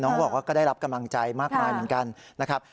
ก็บอกว่าก็ได้รับกำลังใจมากมายเหมือนกันนะครับ